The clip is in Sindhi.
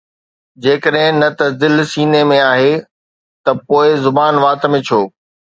جيڪڏهن نه ته دل سينه ۾ آهي ته پوءِ زبان وات ۾ ڇو؟